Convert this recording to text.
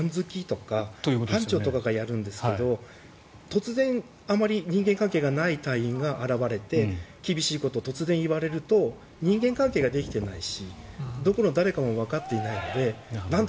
班付の班長とかがやるんですけど突然あまり人間関係がない隊員が現れて厳しいことを突然言われると人間関係ができてないしどこの誰かもわかっていないので誰だ